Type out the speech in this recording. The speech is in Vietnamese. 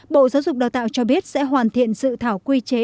bộ giáo dục đào tạo cho biết sẽ hoàn thiện dự thảo quy chế